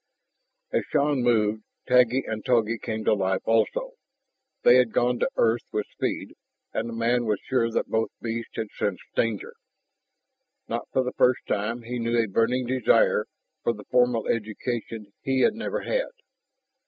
As Shann moved, Taggi and Togi came to life also. They had gone to earth with speed, and the man was sure that both beasts had sensed danger. Not for the first time he knew a burning desire for the formal education he had never had.